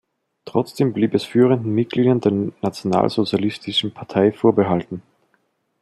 Trotzdem blieb es führenden Mitgliedern der Nationalsozialistischen Partei vorbehalten.